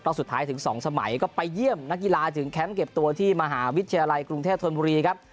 สุดท้ายถึง๒สมัยก็ไปเยี่ยมนักกีฬาถึงแคมป์เก็บตัวที่มหาวิทยาลัยกรุงเทพธนบุรีครับ